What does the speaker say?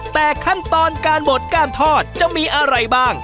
แต่ขั้นตอนการบดการทอดจะมีอะไรบ้าง